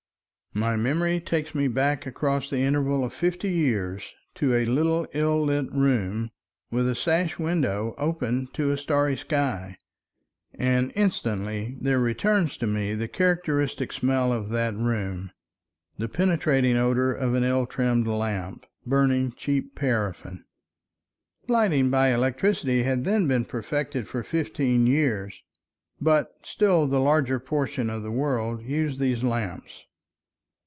My memory takes me back across the interval of fifty years to a little ill lit room with a sash window open to a starry sky, and instantly there returns to me the characteristic smell of that room, the penetrating odor of an ill trimmed lamp, burning cheap paraffin. Lighting by electricity had then been perfected for fifteen years, but still the larger portion of the world used these lamps.